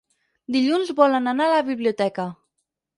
Dilluns volen anar a la biblioteca.